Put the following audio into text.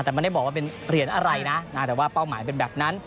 แต่ไม่ได้บอกว่าเป็นเหรียญอะไรนะแต่ว่าเป้าหมายเป็นแบบนั้น